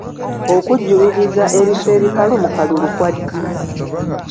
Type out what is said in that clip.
Okujjuliriza ebifo ebikalu mu kalulu kwa ddi?